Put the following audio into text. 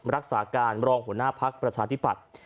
รักษาการรองหัวหน้าภักดิ์ประชาธิปัตย์